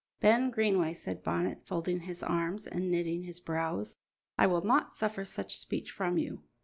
"Ben Greenway," said Bonnet, folding his arms and knitting his brows, "I will not suffer such speech from you.